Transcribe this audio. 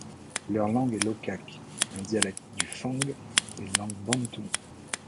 Leur langue est l'okak, un dialecte du fang, une langue bantoue.